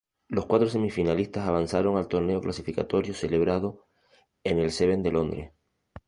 Los cuatro semifinalistas avanzaron al torneo clasificatorio celebrado en el Seven de Londres.